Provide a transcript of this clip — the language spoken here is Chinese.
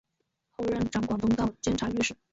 后任掌广东道监察御史。